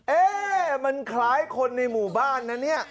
เอ๊ะมันคล้ายคนในหมู่บ้านนะเนี่ย